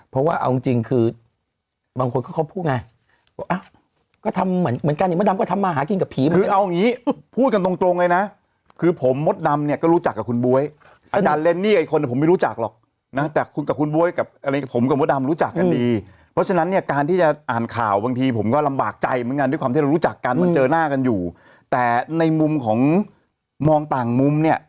เอาอย่างงี้พูดกันตรงเลยนะคือผมมดดำเนี่ยก็รู้จักกับคุณบ๊วยอาจารย์เรนนี่กับอีกคนผมไม่รู้จักหรอกนะแต่คุณกับคุณบ๊วยกับอะไรกับผมกับมดดำรู้จักกันดีเพราะฉะนั้นเนี่ยการที่จะอ่านข่าวบางทีผมก็ลำบากใจเหมือนกันด้วยความที่เรารู้จักกันมันเจอหน้ากันอยู่แต่ในมุมของมองต่างมุมเนี่ย